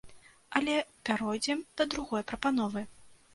Але пяройдзем да другой прапановы.